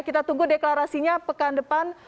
kita tunggu deklarasinya pekan depan